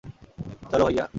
চলো, ভাইয়া।